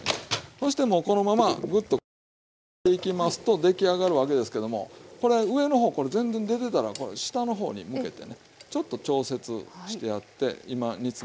そしてもうこのままグッとこう煮詰めていきますと出来上がるわけですけどもこれ上の方全然出てたら下の方に向けてねちょっと調節してやって今煮詰めていきます。